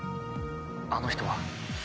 「あの人は」